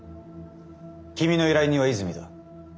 君の依頼人は泉だ。